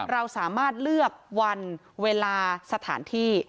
เราสามารถเลือกวันเวลาสถานที่